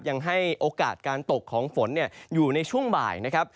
ยังให้โอกาสการตกของฝนอยู่ในช่วงบ่ายนะครับ